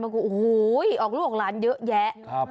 มันก็โอ้โฮออกร่วงร้านเยอะแยะ